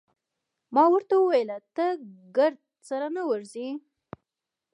ما ورته وویل: ته ګرد سره نه ورځې؟